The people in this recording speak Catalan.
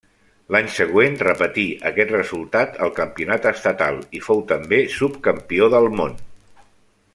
L'any següent repetí aquest resultat al campionat estatal i fou també subcampió del món.